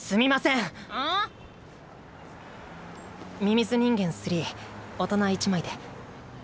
「ミミズ人間３」大人１枚で。